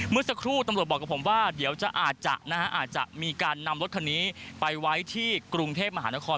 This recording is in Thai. เมื่อสักครู่ตำรวจบอกกับผมว่าเดี๋ยวจะอาจจะมีการนำรถคันนี้ไปไว้ที่กรุงเทพมหานคร